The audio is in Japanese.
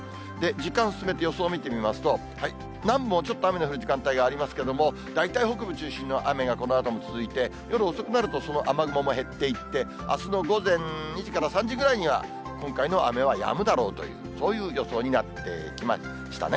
時間進めて予想を見てみますと、南部もちょっと雨の降る時間帯がありますけれども、大体北部中心の雨がこのあとも続いて、夜遅くなるとその雨雲も減っていって、あすの午前２時から３時ぐらいには今回の雨はやむだろうという、そういう予想になってきましたね。